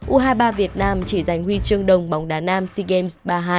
u hai mươi ba việt nam chỉ giành huy chương đồng bóng đá nam sea games ba mươi hai